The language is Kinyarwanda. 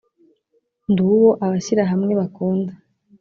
ndi uwo abashyirahamwe bakunda